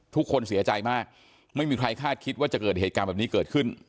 ทุกคนเสียใจมากไม่มีใครคาดคิดว่าจะเกิดเหตุการณ์แบบนี้เกิดขึ้น